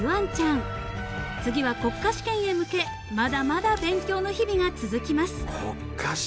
［次は国家試験へ向けまだまだ勉強の日々が続きます］